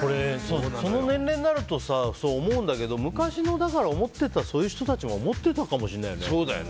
その年齢になるとそう思うんだけど、昔もそういう人たちは思ってたかもしれないよね。